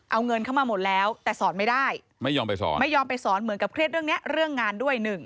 เอาเงินเข้ามาหมดแล้วแต่สอนไม่ได้ไม่ยอมไปสอนเหมือนกับเครตเรื่องงานด้วย๑